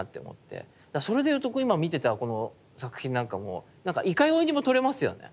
だからそれで言うと今見てたこの作品なんかもいかようにも取れますよね。